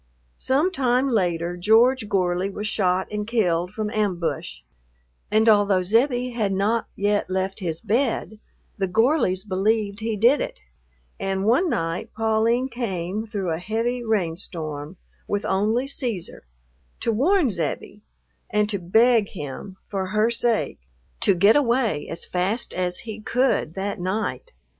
Some time later George Gorley was shot and killed from ambush, and although Zebbie had not yet left his bed the Gorleys believed he did it, and one night Pauline came through a heavy rainstorm, with only Cæsar, to warn Zebbie and to beg him, for her sake, to get away as fast as he could that night.